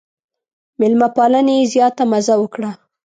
مېلمه پالنې یې زیاته مزه وکړه.